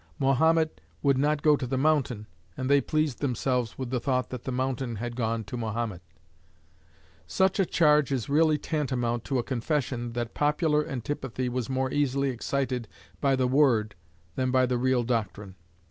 Mahomet would not go to the mountain, and they pleased themselves with the thought that the mountain had gone to Mahomet. Such a charge is really tantamount to a confession that popular antipathy was more easily excited by the word than by the real doctrine.